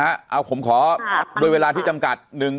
แต่คุณยายจะขอย้ายโรงเรียน